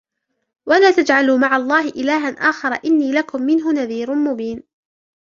ولا تجعلوا مع الله إلها آخر إني لكم منه نذير مبين